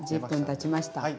１０分たちました。